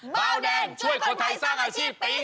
เบาแดงช่วยคนไทยสร้างอาชีพปี๒